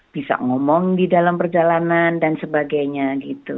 bisa ngomong di dalam perjalanan dan sebagainya gitu